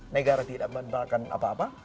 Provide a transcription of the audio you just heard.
negara tidak menerapkan apa apa